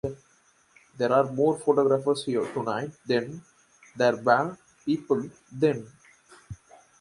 There are more photographers here tonight than there were people then.